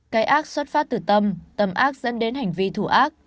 cái ác xuất phát từ tâm tâm ác dẫn đến hành vi thủ ác